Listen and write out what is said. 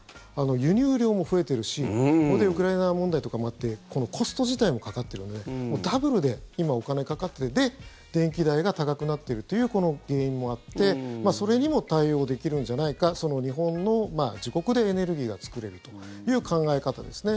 輸入量も増えているしウクライナ問題とかもあってコスト自体もかかっているのでダブルで今、お金がかかっていてで、電気代が高くなっているという原因もあってそれにも対応できるんじゃないか日本の、自国でエネルギーが作れるという考え方ですね。